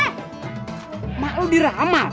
emak lo dirama